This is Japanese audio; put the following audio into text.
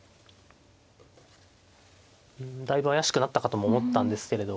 だいぶ怪しくなったかとも思ったんですけれど。